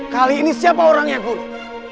kali ini siapa orangnya guru